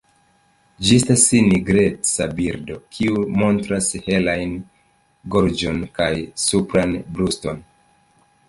Ĝi estas nigreca birdo, kiu montras helajn gorĝon kaj supran bruston.